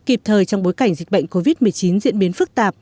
kịp thời trong bối cảnh dịch bệnh covid một mươi chín diễn biến phức tạp